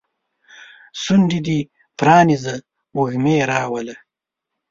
شونډې دې پرانیزه وږمې راوله